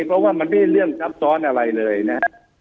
เพราะว่ามันไม่ได้เรื่องซับซ้อนอะไรเลยนะฮะ